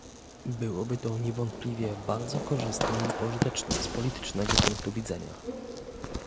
Byłoby to niewątpliwie bardzo korzystne i pożyteczne z politycznego punktu widzenia